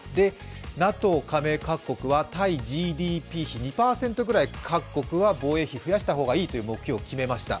ＮＡＴＯ加盟各国は対ＧＤＰ費２％ぐらい各国は防衛費増やした方がいいという目標を決めました。